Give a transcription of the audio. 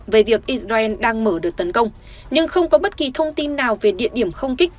về việc israel đang mở đợt tấn công nhưng không có bất kỳ thông tin nào về địa điểm không kích